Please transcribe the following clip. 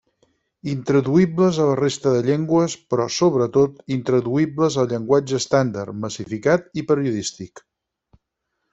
Intraduïbles a la resta de llengües, però, sobretot, intraduïbles al llenguatge estàndard, massificat i periodístic.